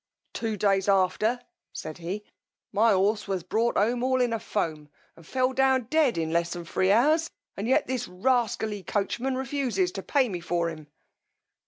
Two days after, said he, my horse was brought home all in a foam, and fell down dead in less than three hours, and yet this rascally coachman refuses to pay me for him.